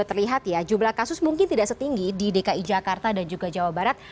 terlihat ya jumlah kasus mungkin tidak setinggi di dki jakarta dan juga jawa barat